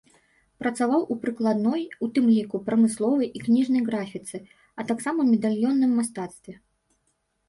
Працаваў у прыкладной, у тым ліку, прамысловай і кніжнай графіцы, а таксама медальённым мастацтве.